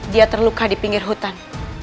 dia terluka di pinggir hutan